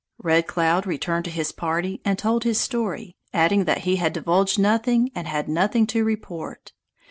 Red Cloud returned to his party and told his story, adding that he had divulged nothing and had nothing to report.